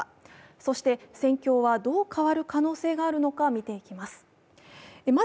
そして戦況はどう変わる可能性があるのか見ていきます。